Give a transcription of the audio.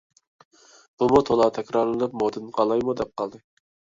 بۇمۇ تولا تەكرارلىنىپ مودىدىن قالايمۇ دەپ قالدى.